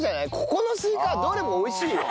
ここのスイカはどれも美味しいよ。